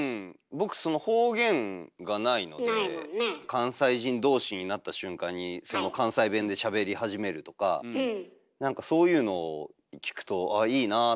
僕方言がないので関西人同士になった瞬間に関西弁でしゃべり始めるとかなんかそういうのを聞くとああいいなって思ったりしますよね。